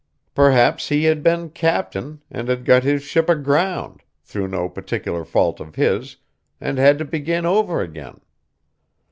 Perhaps he had been captain, and had got his ship aground, through no particular fault of his, and had to begin over again.